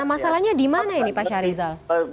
nah masalahnya dimana ini pak syarizal